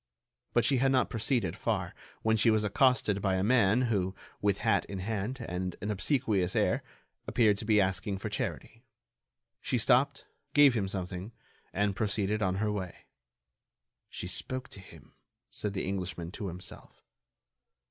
But she had not proceeded far, when she was accosted by a man who, with hat in hand and an obsequious air, appeared to be asking for charity. She stopped, gave him something, and proceeded on her way. "She spoke to him," said the Englishman to himself.